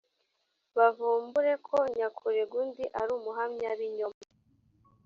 bavumbure ko nyakurega undi ari umuhamyabinyoma,